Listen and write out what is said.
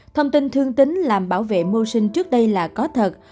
thông tin thương tính làm bảo vệ mưu sinh trước đây là có thật